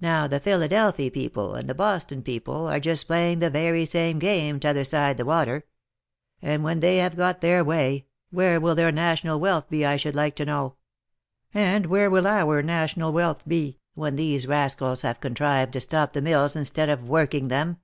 Now the Philadelphy people and the Boston people are just playing the very same game t'other side the water; and when they have got their way, where will their national wealth be I should like to know ?— And where will our national wealth be, when these rascals hg]^, contrived to stop the mills in stead of working them